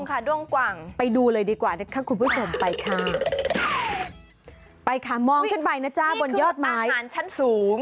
อันนี้คืออาหารชั้นสูง